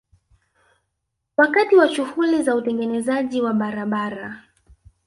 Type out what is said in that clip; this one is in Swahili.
Wakati wa shughuli za utengenezaji wa barabara